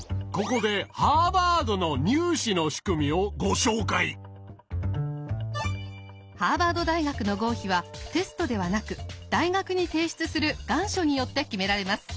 ここでハーバード大学の合否はテストではなく大学に提出する願書によって決められます。